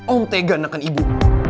om tegan neken ibu